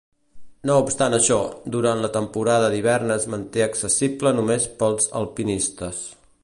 No obstant això, durant la temporada d'hivern es manté accessible només pels alpinistes.